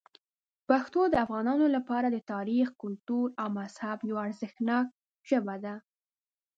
پښتو د افغانانو لپاره د تاریخ، کلتور او مذهب یوه ارزښتناک ژبه ده.